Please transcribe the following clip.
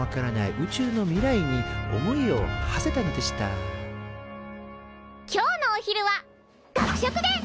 宇宙の未来に思いをはせたのでした今日のお昼は学食でっ！